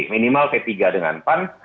minimal p tiga dengan pan